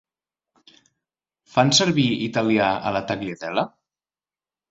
Fan servir italià a la Tagliatella?